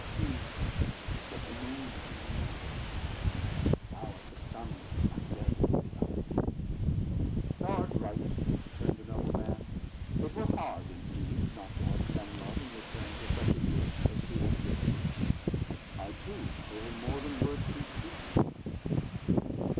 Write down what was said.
He was but the moon of my night; thou art the sun of my day, O beloved." "Thou art right," returned the noble man. "It were hard, indeed, not to have some love in return for such a gift as he hath given thee. I, too, owe him more than words can speak."